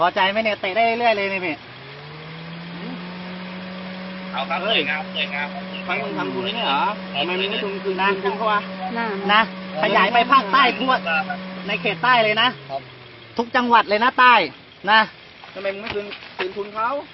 ช่วงไทยเมืองมัวทำทุน